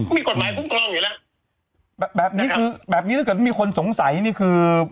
มีกฎหมายคุ้มครองอยู่แล้วแบบนี้คือแบบนี้ถ้าเกิดมีคนสงสัยนี่คือ